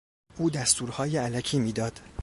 او دستورهای الکی میداد.